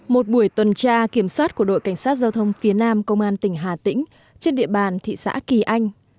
một buổi tuần tra kiểm soát của đội cảnh sát giao thông phía nam công an tỉnh hà tĩnh trên địa bàn thị xã kỳ anh